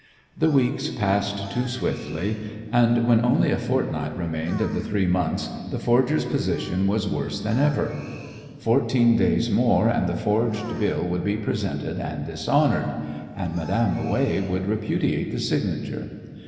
The weeks passed all too swiftly, and when only a fortnight remained of the three months the forger's position was worse than ever. Fourteen days more and the forged bill would be presented and dishonoured, and Madame Houet would repudiate the signature.